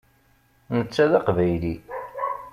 Netta d aqbayli.